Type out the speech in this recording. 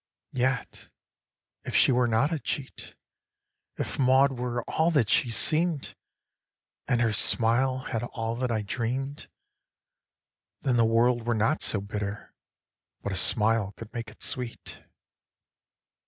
Yet, if she were not a cheat, If Maud were all that she seem'd, And her smile had all that I dream'd, Then the world were not so bitter But a smile could make it sweet.